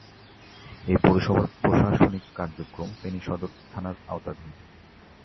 এ পৌরসভার প্রশাসনিক কার্যক্রম ফেনী সদর থানার আওতাধীন।